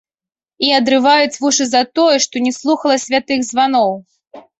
І адрываюць вушы за тое, што не слухала святых званоў.